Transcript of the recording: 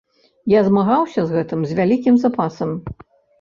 Я змагаўся з гэтым з вялікім запасам.